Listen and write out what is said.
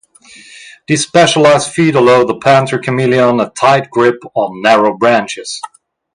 These specialized feet allow the panther chameleon a tight grip on narrow branches.